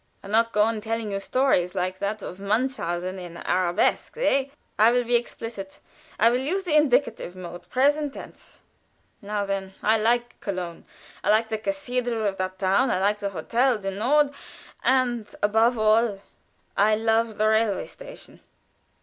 "And not go on telling you stories like that of Munchausen, in Arabesks, eh? I will be explicit; I will use the indicative mood, present tense. Now then. I like Cologne; I like the cathedral of that town; I like the Hotel du Nord; and, above all, I love the railway station."